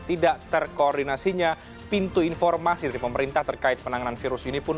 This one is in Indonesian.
tidak terkoordinasinya pintu informasi dari pemerintah terkait penanganan virus ini pun